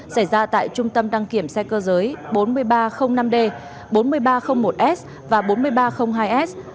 xảy ra tại trung tâm đăng kiểm xe cơ giới bốn nghìn ba trăm linh năm d bốn mươi ba trăm linh một s và bốn nghìn ba trăm linh hai s